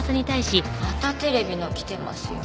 またテレビの来てますよ。